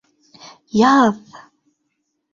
Яҙ!